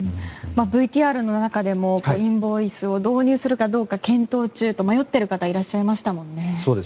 ＶＴＲの中でもインボイスを導入するかどうか検討中と迷っている方がいらっしゃいましたもんね。